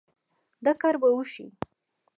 دا کار به وشي